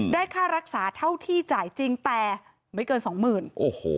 ได้ค่ารักษาเท่าที่จ่ายจริงแต่ไม่เกิน๒๐๐๐๐บาท